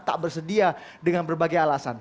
tak bersedia dengan berbagai alasan